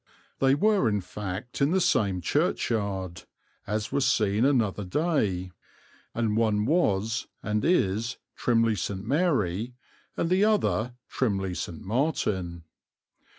They were in fact in the same churchyard, as was seen another day, and one was and is Trimley St. Mary and the other Trimley St. Martin.